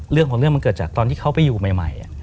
เรื่องของเรื่องมันเกิดจากตอนที่เขาไปอยู่ใหม่